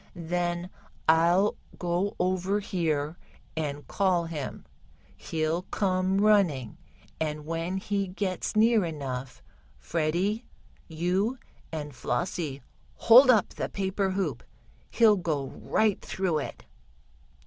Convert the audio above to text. "Then I'll go over here and call him. He'll come running, and when he gets near enough, Freddie, you and Flossie hold up the paper hoop. He'll go right through it."